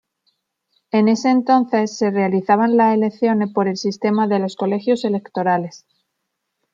En ese entonces se realizaban las elecciones por el sistema de los colegios electorales.